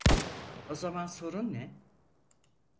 O zaman sorun ne?